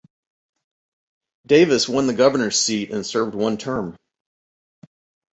Davis won the governor's seat and served one term.